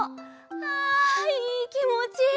あいいきもち！